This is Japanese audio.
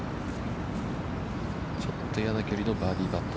ちょっと嫌な距離のバーディーパット。